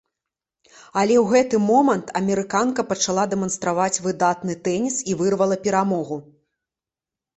Але ў гэты момант амерыканка пачала дэманстраваць выдатны тэніс і вырвала перамогу.